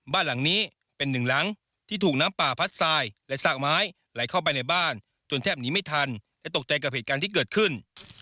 บ้านหลังนี้เป็นหนึ่งหลังที่ถูกน้ำป่าพัดทรายและซากไม้ไหลเข้าไปในบ้านจนแทบหนีไม่ทันและตกใจกับเหตุการณ์ที่เกิดขึ้น